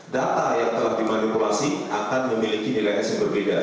data yang telah dimanipulasi akan memiliki nilai es yang berbeda